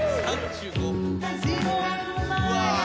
うわ。